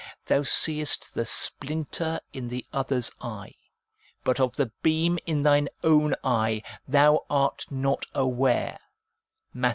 Thou seest the splinter in the other's eye, but of the beam in thine own eye thou art not aware ' (Matt.